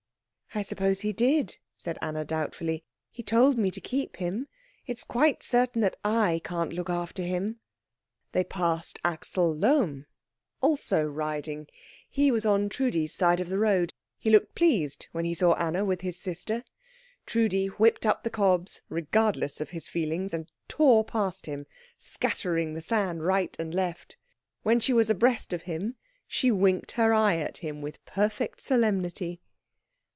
"I suppose he did," said Anna doubtfully. "He told me to keep him. It's quite certain that I can't look after him." They passed Axel Lohm, also riding. He was on Trudi's side of the road. He looked pleased when he saw Anna with his sister. Trudi whipped up the cobs, regardless of his feelings, and tore past him, scattering the sand right and left. When she was abreast of him, she winked her eye at him with perfect solemnity.